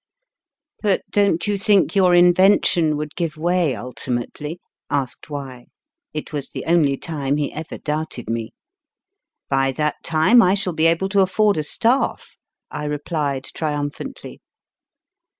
But don t you think your invention would give way ultimately ? asked Y. It was the only time he ever doubted me. k By that time I shall L be able to afford a staff, I replied triumphantly.